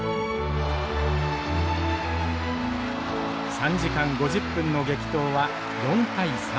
３時間５０分の激闘は４対３。